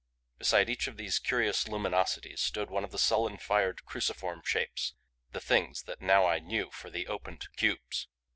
Beside each of these curious luminosities stood one of the sullen fired, cruciform shapes the Things that now I knew for the opened cubes.